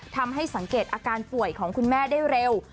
ทำให้สังเกตอาการป่วยของคุณแม่ได้เร็ว